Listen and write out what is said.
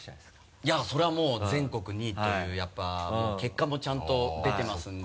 いやそりゃもう全国２位というやっぱ結果もちゃんと出てますんで。